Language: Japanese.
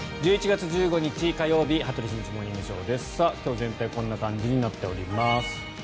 １１月１５日、火曜日「羽鳥慎一モーニングショー」。今日は全体こんな感じになっております。